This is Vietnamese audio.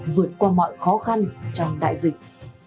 vượt qua mọi khó khăn trong đại dịch